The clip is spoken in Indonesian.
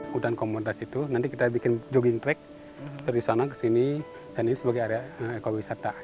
hutan komoditas itu nanti kita bikin jogging track dari sana ke sini dan ini sebagai area ekowisata